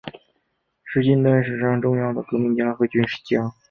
是近代史上重要的革命家和军事家。